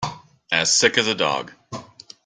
As sick as a dog.